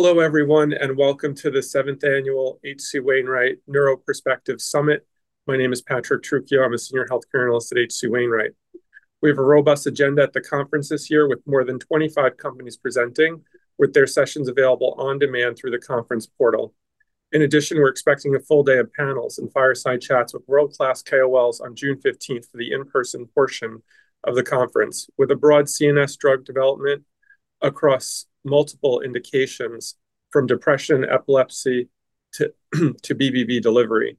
Hello everyone, welcome to the 7th Annual H.C. Wainwright Neuro Perspectives Summit. My name is Patrick Trucchio. I'm a Senior Healthcare Analyst at H.C. Wainwright. We have a robust agenda at the conference this year, with more than 25 companies presenting with their sessions available on demand through the conference portal. In addition, we're expecting a full day of panels and fireside chats with world-class KOLs on June 15th for the in-person portion of the conference, with a broad CNS drug development across multiple indications from depression, epilepsy to BBB delivery.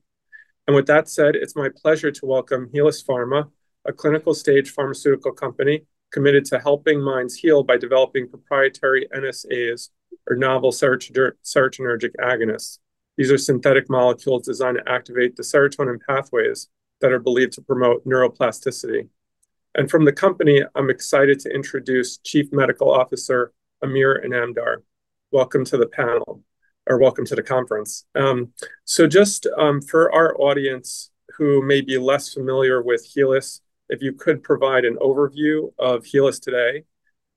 With that said, it's my pleasure to welcome Helus Pharma, a clinical-stage pharmaceutical company committed to helping minds heal by developing proprietary NSAs, or novel serotonergic agonists. These are synthetic molecules designed to activate the serotonin pathways that are believed to promote neuroplasticity. From the company, I'm excited to introduce Chief Medical Officer, Amir Inamdar. Welcome to the panel or welcome to the conference. Just for our audience who may be less familiar with Helus, if you could provide an overview of Helus today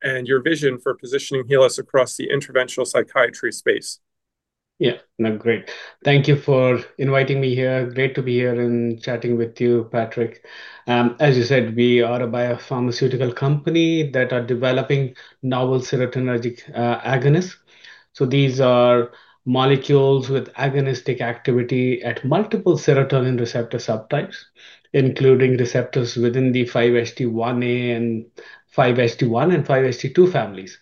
and your vision for positioning Helus across the interventional psychiatry space. Great. Thank you for inviting me here. Great to be here and chatting with you, Patrick. As you said, we are a biopharmaceutical company that are developing novel serotonergic agonists. These are molecules with agonistic activity at multiple serotonin receptor subtypes, including receptors within the 5-HT1A, 5-HT1, and 5-HT2 families.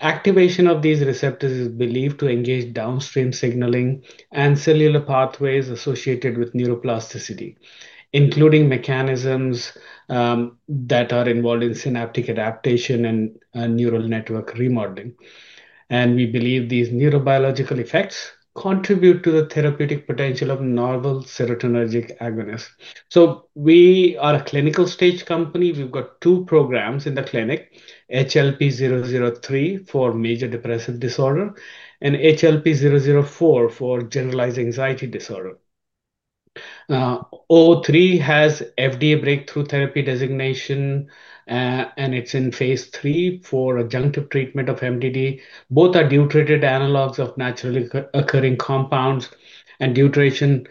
Activation of these receptors is believed to engage downstream signaling and cellular pathways associated with neuroplasticity, including mechanisms that are involved in synaptic adaptation and neural network remodeling. We believe these neurobiological effects contribute to the therapeutic potential of novel serotonergic agonists. We are a clinical-stage company. We've got two programs in the clinic, HLP003 for major depressive disorder and HLP004 for generalized anxiety disorder. HLP003 has FDA breakthrough therapy designation, and it's in phase III for adjunctive treatment of MDD. Both are deuterated analogs of naturally occurring compounds. Deuteration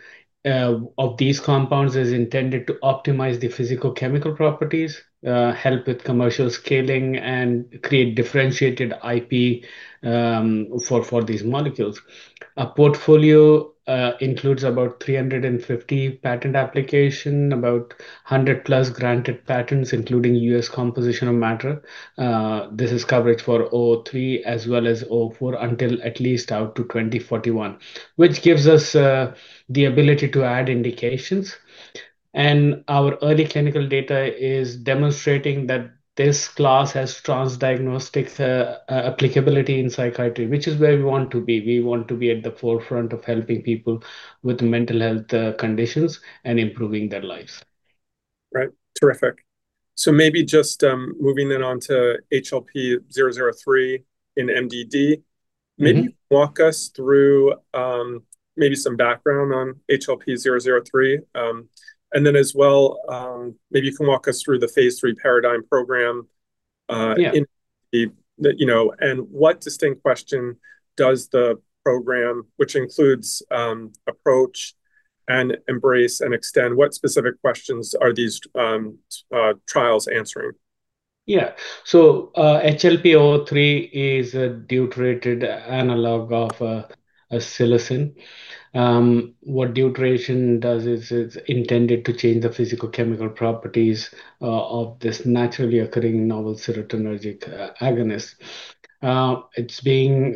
of these compounds is intended to optimize the physicochemical properties, help with commercial scaling, and create differentiated IP for these molecules. A portfolio includes about 350 patent application, about 100+ granted patents, including U.S. composition of matter. This is coverage for HLP003 as well as HLP004 until at least out to 2041, which gives us the ability to add indications. Our early clinical data is demonstrating that this class has transdiagnostic applicability in psychiatry, which is where we want to be. We want to be at the forefront of helping people with mental health conditions and improving their lives. Right. Terrific. Maybe just moving on to HLP003 in MDD. Maybe walk us through maybe some background on HLP003. As well, maybe you can walk us through the phase III PARADIGM program. Yeah. What distinct question does the program, which includes APPROACH and EMBRACE and EXTEND, what specific questions are these trials answering? Yeah. HLP003 is a deuterated analog of psilocybin. What deuteration does is it's intended to change the physicochemical properties of this naturally occurring novel serotonergic agonist.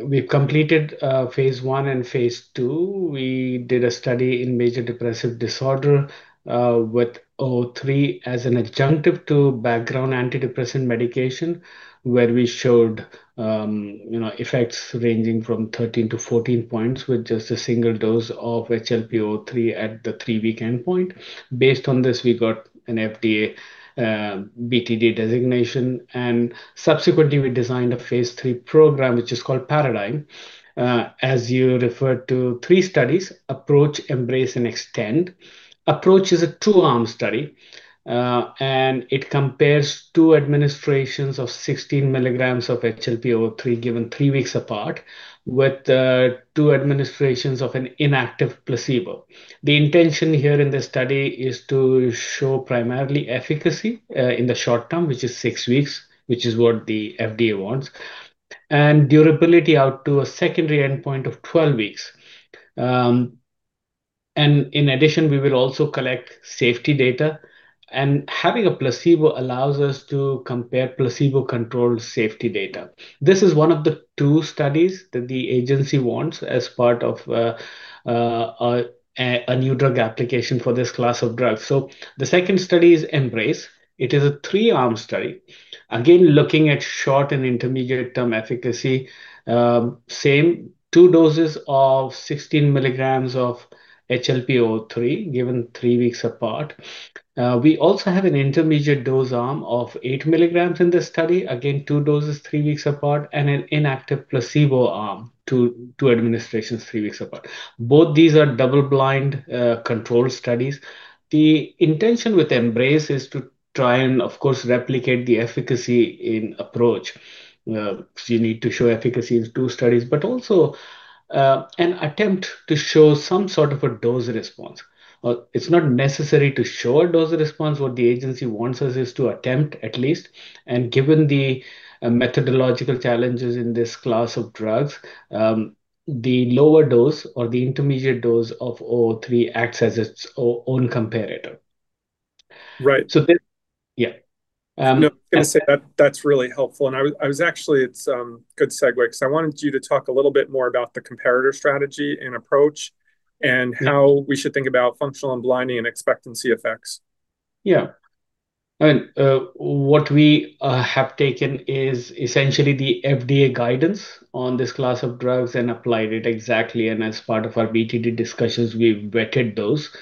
We've completed phase I and phase II. We did a study in major depressive disorder, with HLP003 as an adjunctive to background antidepressant medication, where we showed effects ranging from 13-14 points with just a single dose of HLP003 at the three-week endpoint. Based on this, we got an FDA BTD designation, subsequently, we designed a phase III program, which is called PARADIGM. As you referred to three studies, APPROACH, EMBRACE, and EXTEND. APPROACH is a two-arm study. It compares two administrations of 16 mg of HLP003 given three weeks apart with two administrations of an inactive placebo. The intention here in this study is to show primarily efficacy in the short term, which is six weeks, which is what the FDA wants, and durability out to a secondary endpoint of 12 weeks. In addition, we will also collect safety data, and having a placebo allows us to compare placebo-controlled safety data. This is one of the two studies that the agency wants as part of a new drug application for this class of drugs. The second study is EMBRACE. It is a three-arm study, again, looking at short and intermediate-term efficacy. Same two doses of 16 mg of HLP003 given three weeks apart. We also have an intermediate dose arm of 8 mg in this study, again, two doses three weeks apart, and an inactive placebo arm, two administrations three weeks apart. Both these are double-blind, controlled studies. The intention with EMBRACE is to try and, of course, replicate the efficacy in APPROACH. You need to show efficacy in two studies, but also attempt to show some sort of a dose response. It's not necessary to show a dose response. What the agency wants us is to attempt at least, and given the methodological challenges in this class of drugs, the lower dose or the intermediate dose of HLP003 acts as its own comparator. Right. Yeah. No, I was going to say that's really helpful. I was actually, it's good segue because I wanted you to talk a little bit more about the comparator strategy and APPROACH and how we should think about functional unblinding and expectancy effects. Yeah. What we have taken is essentially the FDA guidance on this class of drugs and applied it exactly. As part of our BTD discussions, we've vetted those.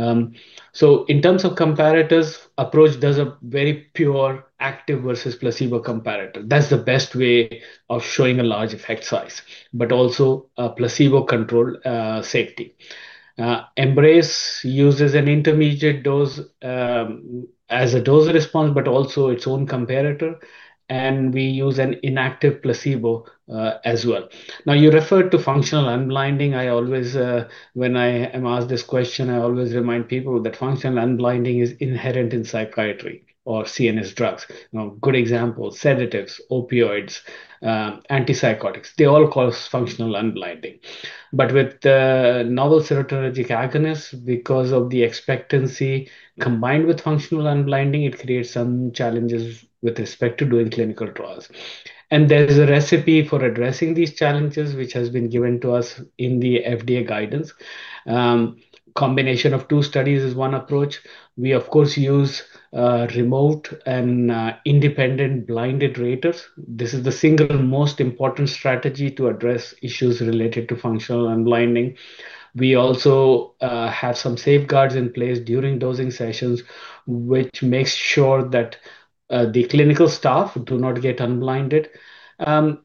In terms of comparators, APPROACH does a very pure active versus placebo comparator. That's the best way of showing a large effect size, but also a placebo-controlled safety. EMBRACE uses an intermediate dose as a dose response, but also its own comparator, and we use an inactive placebo as well. You referred to functional unblinding. When I am asked this question, I always remind people that functional unblinding is inherent in psychiatry or CNS drugs. Good example, sedatives, opioids, antipsychotics, they all cause functional unblinding. With the novel serotonergic agonists, because of the expectancy combined with functional unblinding, it creates some challenges with respect to doing clinical trials. There is a recipe for addressing these challenges, which has been given to us in the FDA guidance. Combination of two studies is one approach. We of course, use remote and independent blinded raters. This is the single most important strategy to address issues related to functional unblinding. We also have some safeguards in place during dosing sessions, which makes sure that the clinical staff do not get unblinded. One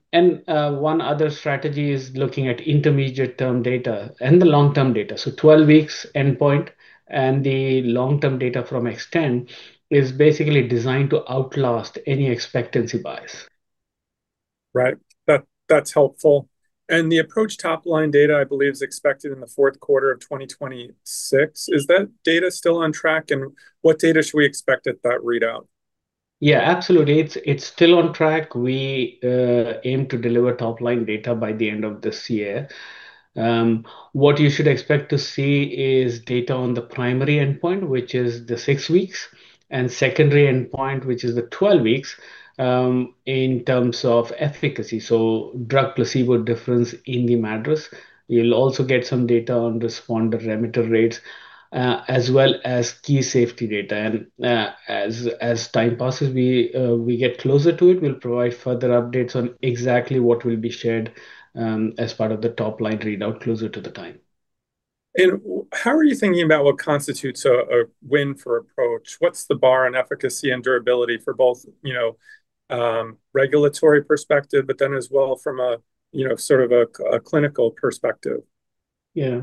other strategy is looking at intermediate term data and the long-term data. 12 weeks endpoint and the long-term data from EXTEND is basically designed to outlast any expectancy bias. Right. That's helpful. The APPROACH top-line data, I believe, is expected in the fourth quarter of 2026. Is that data still on track, and what data should we expect at that readout? Yeah, absolutely. It's still on track. We aim to deliver top-line data by the end of this year. What you should expect to see is data on the primary endpoint, which is the six weeks, and secondary endpoint, which is the 12 weeks, in terms of efficacy, so drug-placebo difference in the MADRS. You'll also get some data on responder remitter rates, as well as key safety data. As time passes, we get closer to it, we'll provide further updates on exactly what will be shared as part of the top-line readout closer to the time. How are you thinking about what constitutes a win for APPROACH? What's the bar on efficacy and durability for both regulatory perspective, as well from a clinical perspective? Yeah.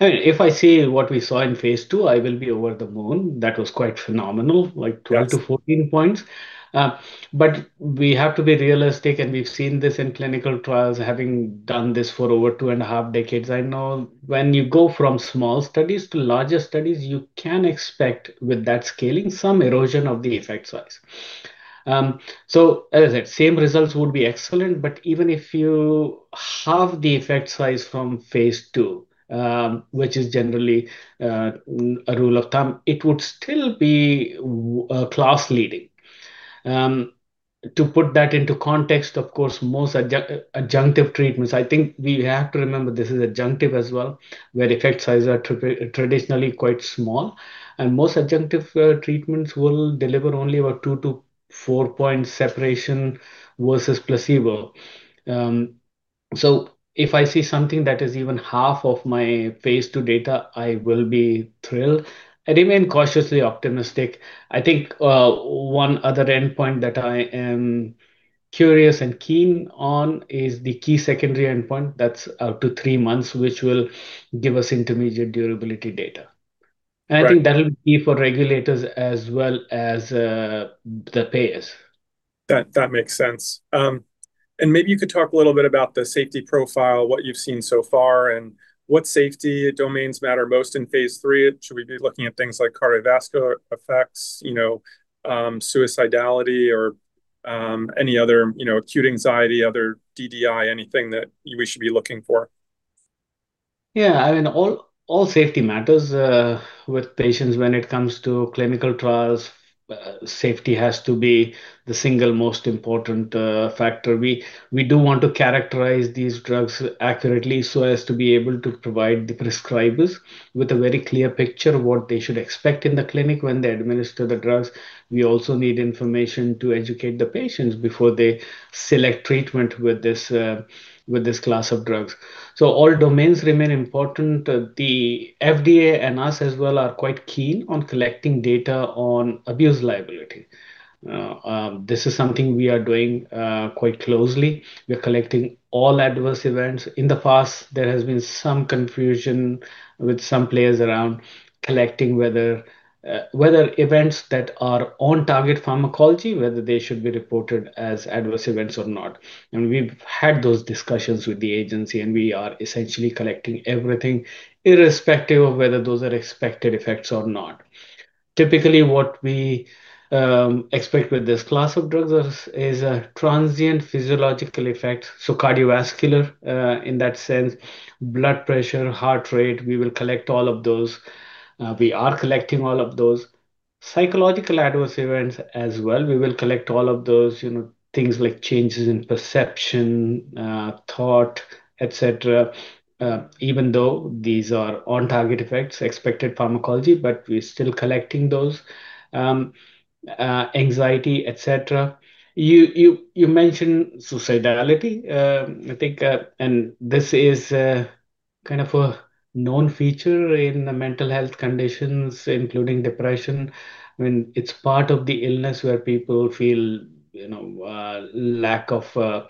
If I see what we saw in phase II, I will be over the moon. That was quite phenomenal. Yes. Like 12-14 points. We have to be realistic, and we've seen this in clinical trials, having done this for over two and a half decades. I know when you go from small studies to larger studies, you can expect with that scaling some erosion of the effect size. As I said, same results would be excellent, but even if you halve the effect size from phase II, which is generally a rule of thumb, it would still be class leading. To put that into context, of course, most adjunctive treatments, I think we have to remember this is adjunctive as well, where effect size are traditionally quite small, and most adjunctive treatments will deliver only about two to four point separation versus placebo. If I see something that is even half of my phase II data, I will be thrilled. I remain cautiously optimistic. I think one other endpoint that I am curious and keen on is the key secondary endpoint that's out to three months, which will give us intermediate durability data. Right. I think that will be for regulators as well as the payers. That makes sense. Maybe you could talk a little bit about the safety profile, what you've seen so far, and what safety domains matter most in phase III. Should we be looking at things like cardiovascular effects, suicidality, or any other acute anxiety, other DDI, anything that we should be looking for? All safety matters with patients when it comes to clinical trials. Safety has to be the single most important factor. We do want to characterize these drugs accurately so as to be able to provide the prescribers with a very clear picture of what they should expect in the clinic when they administer the drugs. We also need information to educate the patients before they select treatment with this class of drugs. All domains remain important. The FDA and us as well are quite keen on collecting data on abuse liability. This is something we are doing quite closely. We are collecting all adverse events. In the past, there has been some confusion with some players around collecting whether events that are on-target pharmacology, whether they should be reported as adverse events or not. We've had those discussions with the agency, and we are essentially collecting everything, irrespective of whether those are expected effects or not. Typically, what we expect with this class of drugs is a transient physiological effect. Cardiovascular, in that sense, blood pressure, heart rate, we will collect all of those. We are collecting all of those. Psychological adverse events as well, we will collect all of those, things like changes in perception, thought, et cetera. Even though these are on-target effects, expected pharmacology, but we're still collecting those, anxiety, et cetera. You mentioned suicidality, I think, this is kind of a known feature in mental health conditions, including depression. It's part of the illness where people feel lack of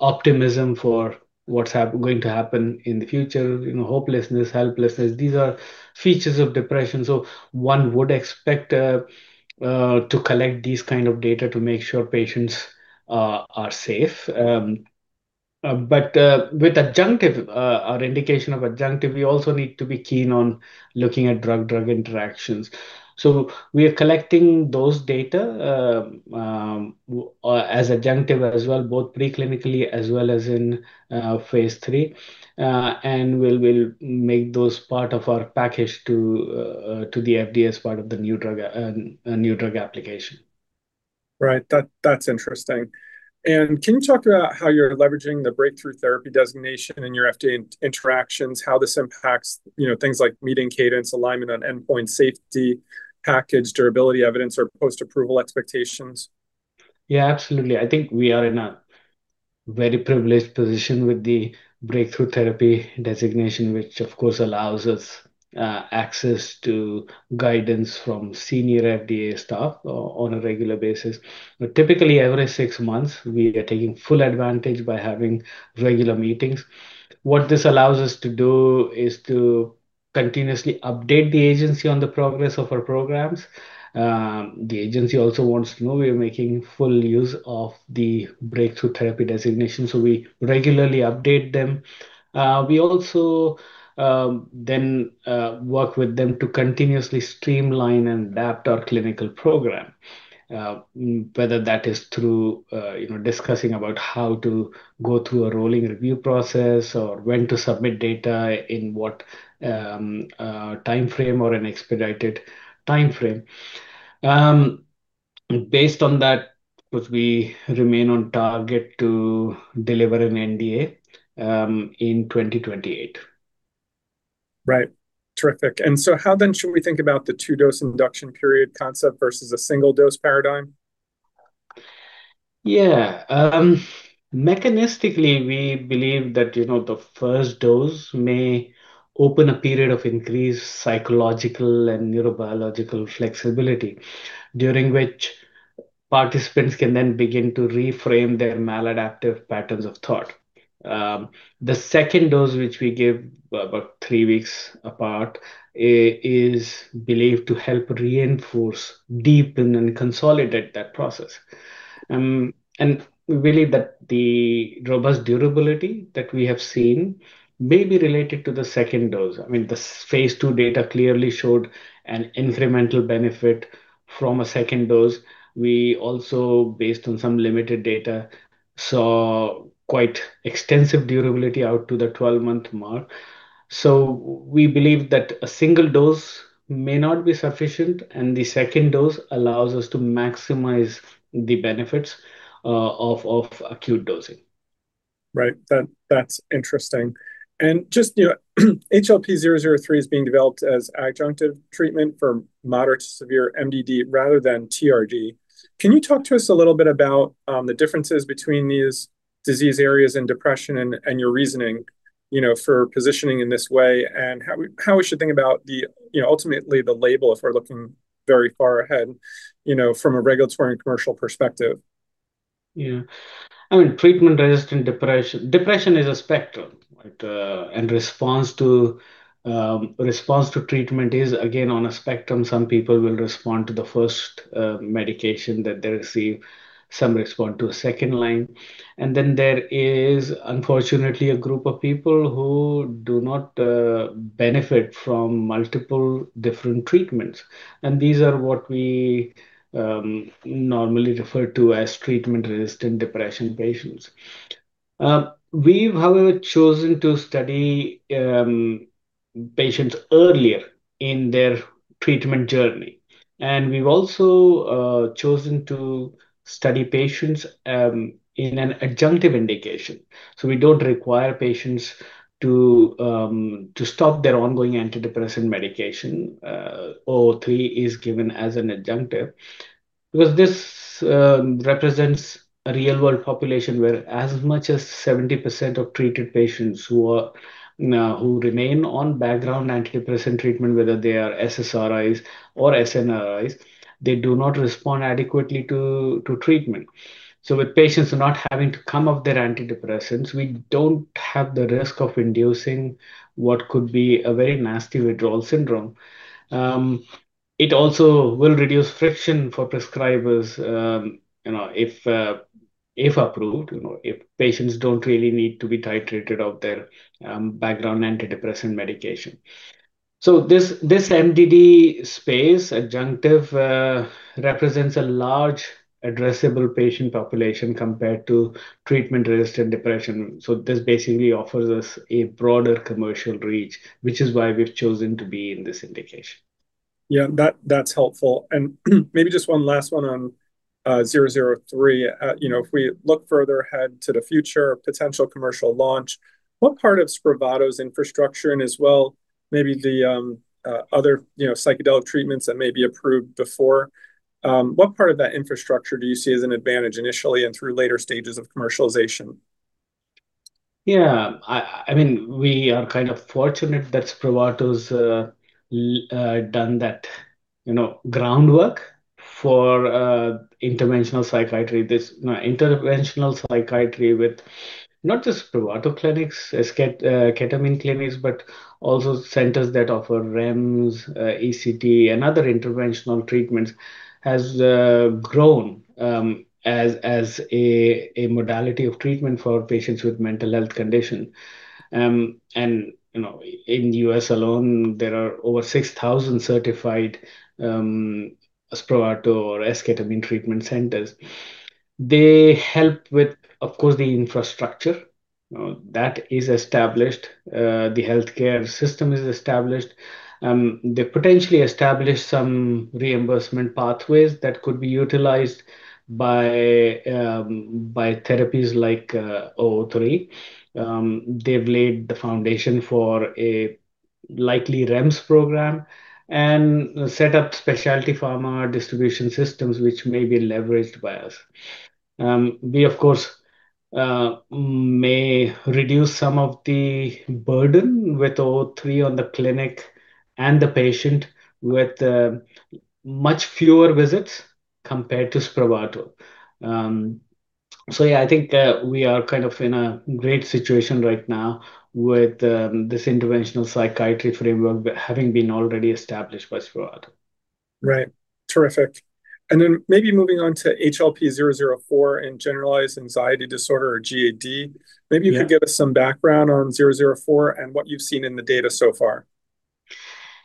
optimism for what's going to happen in the future, hopelessness, helplessness. These are features of depression. One would expect to collect this kind of data to make sure patients are safe. With our indication of adjunctive, we also need to be keen on looking at drug-drug interactions. We are collecting those data as adjunctive as well, both pre-clinically as well as in phase III. We'll make those part of our package to the FDA as part of the new drug application. Right. That's interesting. Can you talk about how you're leveraging the breakthrough therapy designation in your FDA interactions, how this impacts things like meeting cadence, alignment on endpoint safety, package durability evidence, or post-approval expectations? Yeah, absolutely. I think we are in a very privileged position with the breakthrough therapy designation, which of course allows us access to guidance from senior FDA staff on a regular basis. Typically, every six months, we are taking full advantage by having regular meetings. What this allows us to do is to continuously update the agency on the progress of our programs. The agency also wants to know we are making full use of the breakthrough therapy designation, we regularly update them. We also work with them to continuously streamline and adapt our clinical program, whether that is through discussing about how to go through a rolling review process or when to submit data, in what timeframe or an expedited timeframe. Based on that, we remain on target to deliver an NDA in 2028. Right. Terrific. How should we think about the two-dose induction period concept versus a single-dose PARADIGM? Yeah. Mechanistically, we believe that the first dose may open a period of increased psychological and neurobiological flexibility, during which participants can then begin to reframe their maladaptive patterns of thought. The second dose, which we give about three weeks apart, is believed to help reinforce, deepen, and consolidate that process. We believe that the robust durability that we have seen may be related to the second dose. The phase II data clearly showed an incremental benefit from a second dose. We also, based on some limited data, saw quite extensive durability out to the 12-month mark. We believe that a single dose may not be sufficient, and the second dose allows us to maximize the benefits of acute dosing. Right. That's interesting. Just HLP003 is being developed as adjunctive treatment for moderate to severe MDD rather than TRD. Can you talk to us a little bit about the differences between these disease areas and depression and your reasoning for positioning in this way, and how we should think about ultimately the label if we're looking very far ahead from a regulatory and commercial perspective? Yeah. Treatment-resistant depression. Depression is a spectrum, and response to treatment is, again, on a spectrum. Some people will respond to the first medication that they receive. Some respond to a second line. Then there is, unfortunately, a group of people who do not benefit from multiple different treatments. These are what we normally refer to as treatment-resistant depression patients. We've, however, chosen to study patients earlier in their treatment journey, and we've also chosen to study patients in an adjunctive indication. We don't require patients to stop their ongoing antidepressant medication. HLP003 is given as an adjunctive. This represents a real-world population where as much as 70% of treated patients who remain on background antidepressant treatment, whether they are SSRIs or SNRIs, they do not respond adequately to treatment. With patients not having to come off their antidepressants, we don't have the risk of inducing what could be a very nasty withdrawal syndrome. It also will reduce friction for prescribers, if approved, if patients don't really need to be titrated off their background antidepressant medication. This MDD space, adjunctive, represents a large addressable patient population compared to treatment-resistant depression. This basically offers us a broader commercial reach, which is why we've chosen to be in this indication. That's helpful. Maybe just one last one on HLP003. If we look further ahead to the future potential commercial launch, what part of SPRAVATO's infrastructure and as well maybe the other psychedelic treatments that may be approved before, what part of that infrastructure do you see as an advantage initially and through later stages of commercialization? We are kind of fortunate that SPRAVATO's done that groundwork for interventional psychiatry. This interventional psychiatry with not just SPRAVATO clinics, esketamine clinics, but also centers that offer REMS, ECT, and other interventional treatments, has grown as a modality of treatment for patients with mental health condition. In U.S. alone, there are over 6,000 certified SPRAVATO or esketamine treatment centers. They help with, of course, the infrastructure. That is established. The healthcare system is established. They potentially establish some reimbursement pathways that could be utilized by therapies like HLP003. They've laid the foundation for a likely REMS program and set up specialty pharma distribution systems which may be leveraged by us. We, of course, may reduce some of the burden with HLP003 on the clinic and the patient with much fewer visits compared to SPRAVATO. I think we are in a great situation right now with this interventional psychiatry framework having been already established by SPRAVATO. Right. Terrific. Maybe moving on to HLP004 and generalized anxiety disorder, or GAD. Yeah. Maybe you could give us some background on HLP004 and what you've seen in the data so far.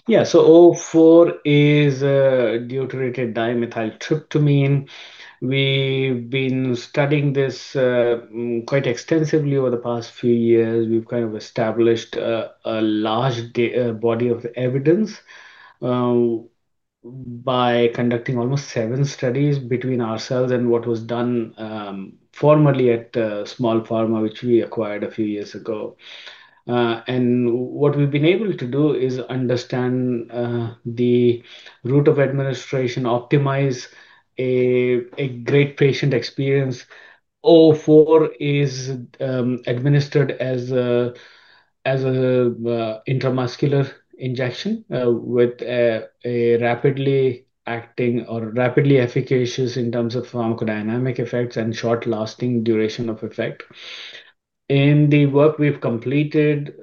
Yeah. HLP004 is a deuterated dimethyltryptamine. We've been studying this quite extensively over the past few years. We've established a large data body of evidence by conducting almost seven studies between ourselves and what was done formerly at a Small Pharma which we acquired a few years ago. What we've been able to do is understand the route of administration, optimize a great patient experience. HLP004 is administered as an intramuscular injection, with a rapidly acting or rapidly efficacious in terms of pharmacodynamic effects and short lasting duration of effect. In the work we've completed,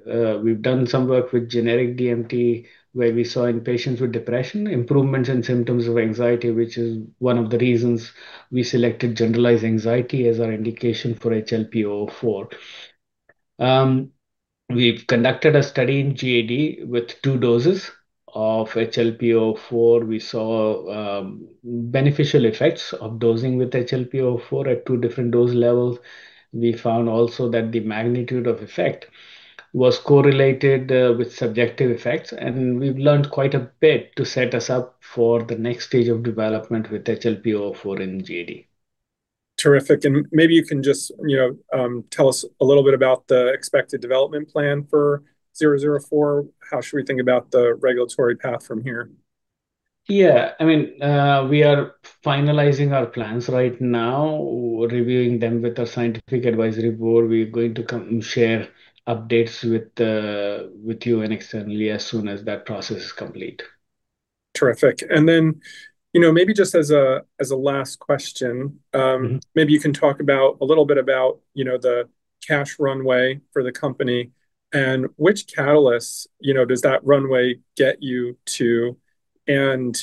we've done some work with generic DMT, where we saw in patients with depression, improvements in symptoms of anxiety, which is one of the reasons we selected generalized anxiety as our indication for HLP004. We've conducted a study in GAD with two doses of HLP004. We saw beneficial effects of dosing with HLP004 at two different dose levels. We found also that the magnitude of effect was correlated with subjective effects, we've learned quite a bit to set us up for the next stage of development with HLP004 in GAD. Terrific. Maybe you can just tell us a little bit about the expected development plan for HLP004. How should we think about the regulatory path from here? Yeah. We are finalizing our plans right now, reviewing them with our scientific advisory board. We're going to come and share updates with you and externally as soon as that process is complete. Terrific. Then maybe just as a last question. Maybe you can talk a little bit about the cash runway for the company and which catalysts does that runway get you to, and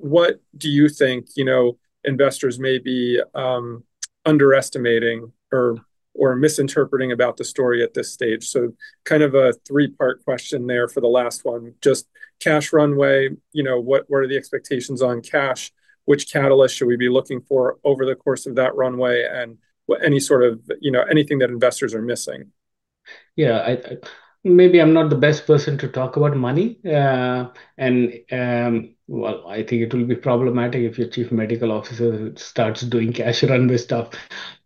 what do you think investors may be underestimating or misinterpreting about the story at this stage? A three-part question there for the last one, just cash runway, what are the expectations on cash, which catalyst should we be looking for over the course of that runway, and anything that investors are missing? Yeah. Maybe I'm not the best person to talk about money. Well, I think it will be problematic if your Chief Medical Officer starts doing cash runway stuff.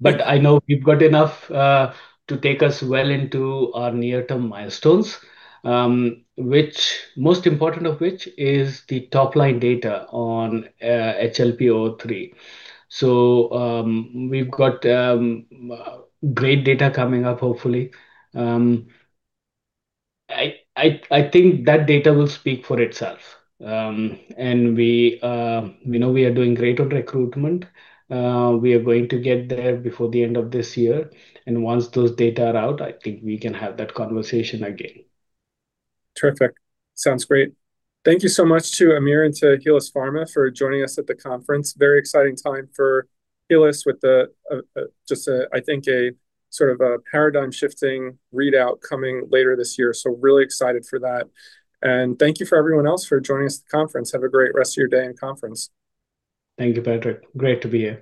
I know we've got enough to take us well into our near-term milestones. Most important of which is the top-line data on HLP003. We've got great data coming up hopefully. I think that data will speak for itself. We are doing great on recruitment. We are going to get there before the end of this year. Once those data are out, I think we can have that conversation again. Terrific. Sounds great. Thank you so much to Amir and to Helus Pharma for joining us at the conference. Very exciting time for Helus with just a, I think a paradigm shifting readout coming later this year. Really excited for that. Thank you for everyone else for joining us at the conference. Have a great rest of your day and conference. Thank you, Patrick. Great to be here.